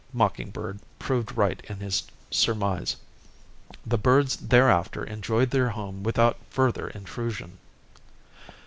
Mocking Bird proved right in his surmise. The birds thereafter enjoyed their home without further intrusion.